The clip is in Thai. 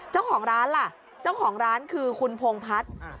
เจ้าของร้านล่ะเจ้าของร้านคือคุณพงพัฒน์